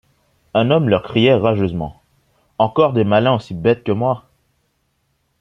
Un homme leur criait rageusement: — Encore des malins aussi bêtes que moi!